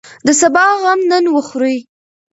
د سبا غم نن وخورئ.